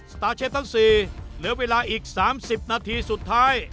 ตาร์เชฟทั้ง๔เหลือเวลาอีก๓๐นาทีสุดท้าย